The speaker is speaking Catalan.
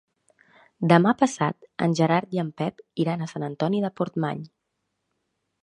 Demà passat en Gerard i en Pep iran a Sant Antoni de Portmany.